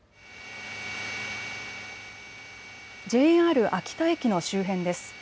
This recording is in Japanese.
ＪＲ秋田駅の周辺です。